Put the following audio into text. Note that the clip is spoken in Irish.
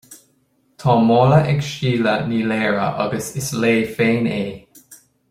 Tá mála ag Síle Ní Laoire, agus is léi féin é